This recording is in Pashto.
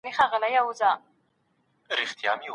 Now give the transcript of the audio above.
د مسلکي ودي لپاره لارښووني تعقیبېږي.